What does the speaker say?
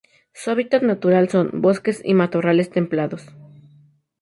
Su hábitat natural son: Bosques y matorrales templados.